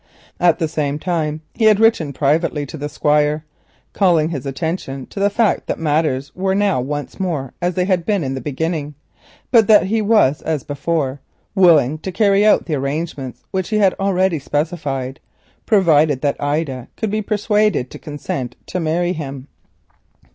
At the same time he had written privately to the Squire, calling his attention to the fact that matters were now once more as they had been at the beginning, but that he was as before willing to carry out the arrangements which he had already specified, provided that Ida could be persuaded to consent to marry him.